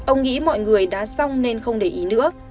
ông nghĩ mọi người đã xong nên không để ý nữa